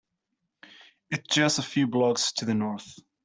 It’s just a few blocks to the North.